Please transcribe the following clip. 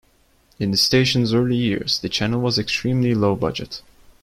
In the station's early years, the channel was extremely low-budget.